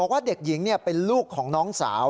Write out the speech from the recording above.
แต่เด็กหญิงเนี่ยเป็นลูกของน้องสาว